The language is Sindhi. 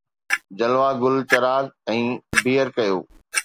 جلوه گل چراغ ۽ بيئر ڪيو